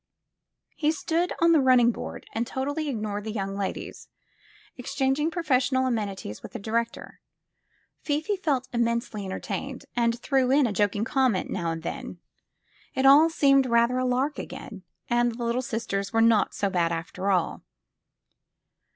He stood on the running board and totally ignored the young ladies, exchanging professional amenities with the director. Fifi felt immensely entertained and threw in a joking comment now and then. It all seemed rather a lark again, and the Little Sisters were not so bad, after all.